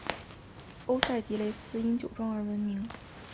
欧塞迪雷斯因酒庄而闻名。